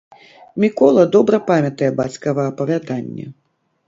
Мікола добра памятае бацькава апавяданне.